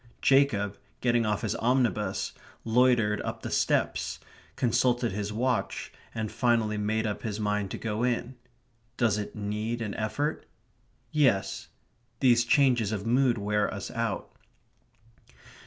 Jacob, getting off his omnibus, loitered up the steps, consulted his watch, and finally made up his mind to go in.... Does it need an effort? Yes. These changes of mood wear us out.